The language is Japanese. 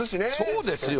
そうですよ。